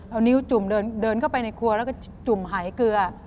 เอานิ้วจุ่มเดินเข้าไปในครัวแล้วก็จุ่มหายเกลือ